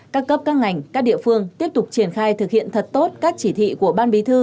các cấp các ngành các địa phương tiếp tục triển khai thực hiện thật tốt các chỉ thị của ban bí thư